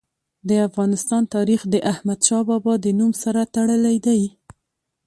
د افغانستان تاریخ د احمد شاه بابا د نوم سره تړلی دی.